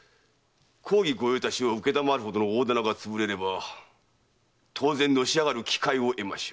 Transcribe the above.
公儀御用達を承るほどの大店がつぶれれば当然のし上がる機会を得ましょう。